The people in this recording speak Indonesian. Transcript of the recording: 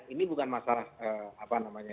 ini bukan masalah apa namanya